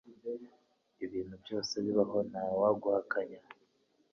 ibintu byose bibaho ntawaguhakanya